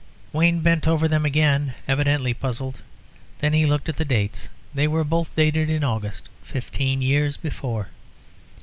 Wayne bent over them again, evidently puzzled; then he looked at the dates. They were both dated in August fifteen years before.